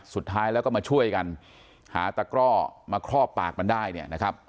สุดท้ายแล้วก็มาช่วยกันหาตะกร่อมาครอบปากมันได้เนี่ยนะครับ